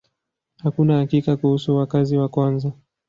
Hakuna hakika kuhusu wakazi wa kwanza.